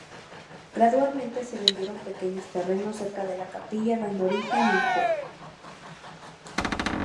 Gradualmente, se vendieron pequeños terrenos, cerca de la capilla, dando origen al pueblo.